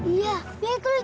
iya bener itu jeng